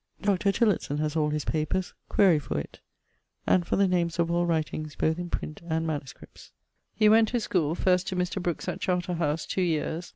Dr. Tillotson has all his papers quaere for it, and for the names of all writings both in print and MSS. He went to schoole, first to Mr. Brookes at Charterhouse two yeares.